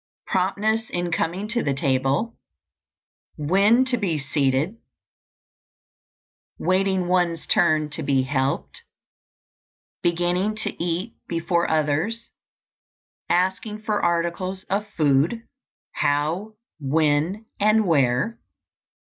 Promptness in coming to the table. When to be seated. Waiting one's turn to be helped. Beginning to eat before others. _Asking for articles of food, how, when, and where.